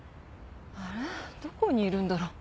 あれどこにいるんだろ？